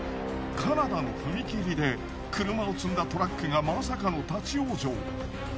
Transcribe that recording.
カナダの踏切で車を積んだトラックがまさかの立ち往生。